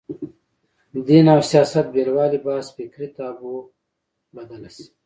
دین او سیاست بېلوالي بحث فکري تابو بدله شي